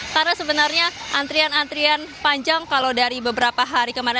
karena sebenarnya antrian antrian panjang kalau dari beberapa hari kemarin